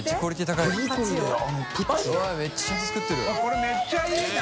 海めっちゃいいな！